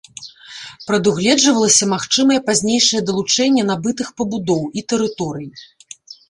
Прадугледжвалася магчымае пазнейшае далучэнне набытых пабудоў і тэрыторый.